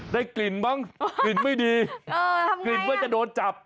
ได้กลิ่นบ้างกลิ่นไม่ดีเออทำไงกลิ่นว่าจะโดนจับ